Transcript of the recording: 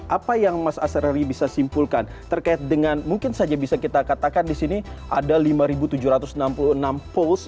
apa yang mas asrarri bisa simpulkan terkait dengan mungkin saja bisa kita katakan di sini ada lima ribu tujuh ratus enam puluh enam polls